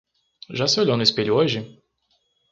Já se olhou no espelho hoje?